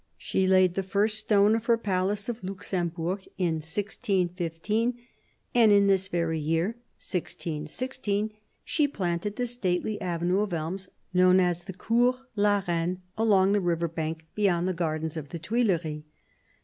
She laid the first stone of her palace of "Luxembourg" in 1615, and in this very year 1616 she planted the stately avenue of elms, known as the Cours la Reine, along the river bank beyond the gardens of the Tuileries.